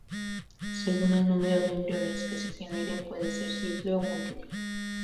Según el número de embriones que se generen puede ser simple o múltiple.